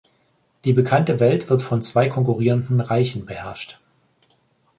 Die bekannte Welt wird von zwei konkurrierenden Reichen beherrscht.